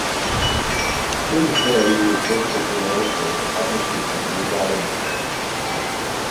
Since then he has worked as an editor at the publishing company Gallimard.